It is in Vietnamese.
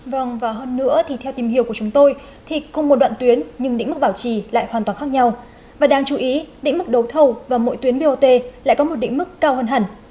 vâng và hơn nữa thì theo tìm hiểu của chúng tôi thì không một đoạn tuyến nhưng đỉnh mức bảo trì lại hoàn toàn khác nhau và đáng chú ý đỉnh mức đấu thâu và mỗi tuyến bot lại có một đỉnh mức cao hơn hẳn